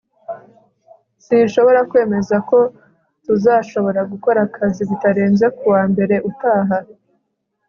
sinshobora kwemeza ko tuzashobora gukora akazi bitarenze kuwa mbere utaha